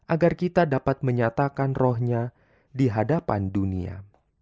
agar kita dapat menyatakan rohnya di hadapan dunia